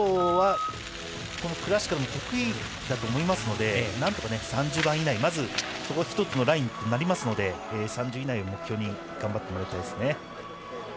このクラシカルも得意だと思いますのでなんとか３０番以内、まずそこが１つのラインとなりますので３０位以内を目標に頑張ってもらいたいですね。